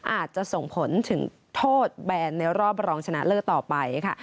อาจจะส่งผลถึงโทษแบนในรอบรองชนะเลิศต่อไปค่ะ